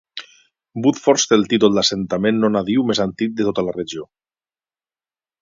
Woodfords té el títol d'assentament no nadiu més antic de tota la regió.